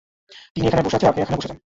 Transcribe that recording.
তিনি ওখানে বসে আছে আপনি এখানে বসে যান।